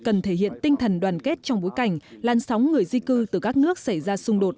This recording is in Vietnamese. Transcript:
cần thể hiện tinh thần đoàn kết trong bối cảnh lan sóng người di cư từ các nước xảy ra xung đột